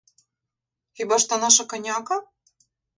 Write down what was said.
Хіба ж то наша коняка?